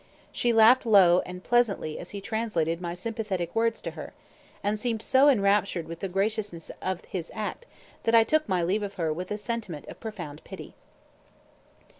She laughed low and pleasantly as he translated my sympathetic words to her, and seemed so enraptured with the graciousness of his act that I took my leave of her with a sentiment of profound pity.